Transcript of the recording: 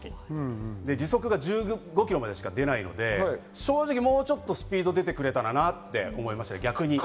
時速が１５キロまでしか出ないので、正直もうちょっとスピード出てくれたらなと思いました。